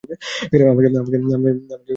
আমাকে বেঁধেছেন কেন?